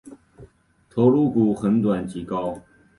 头颅骨很短及高。